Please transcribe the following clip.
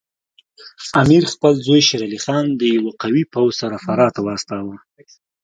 امیر خپل زوی شیر علي خان د یوه قوي پوځ سره فراه ته واستاوه.